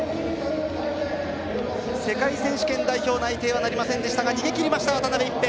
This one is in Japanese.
世界選手権代表内定はなりませんでしたが逃げきりました渡辺一平。